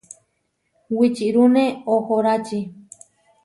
Wičirúne ohórači.